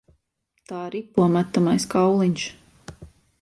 Tā ripo metamais kauliņš.